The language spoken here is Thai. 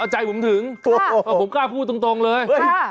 ใจผมถึงผมกล้าพูดตรงเลย